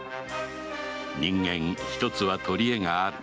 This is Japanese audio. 人間一つは取り柄がある。